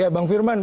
ya bang firman